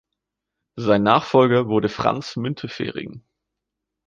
Sein Nachfolger wurde Franz Müntefering.